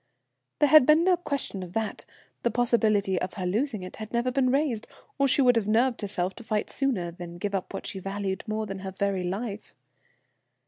"There had been no question of that; the possibility of her losing it had never been raised, or she would have nerved herself to fight sooner than give up what she valued more than her very life.